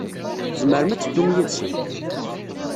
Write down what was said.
Tzemrem ad teddum yid-sent.